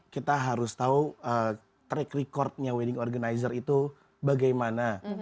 kita harus tahu track recordnya wedding organizer itu bagaimana